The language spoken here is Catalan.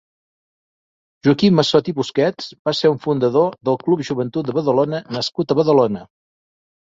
Joaquim Massot Busquets va ser un fundador del Club Joventut de Badalona nascut a Badalona.